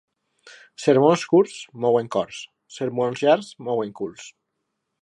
Sermons curts mouen cors, sermons llargs mouen culs.